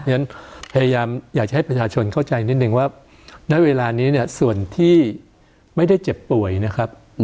ฉะนั้นพยายามอยากจะให้ประชาชนเข้าใจนิดนึงว่าณเวลานี้เนี่ยส่วนที่ไม่ได้เจ็บป่วยนะครับ